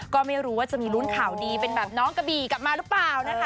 ก็ไม่รู้ว่าจะมีลุ้นข่าวดีเป็นแบบน้องกะบี่กลับมาหรือเปล่านะคะ